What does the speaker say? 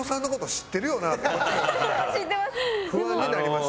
知ってます。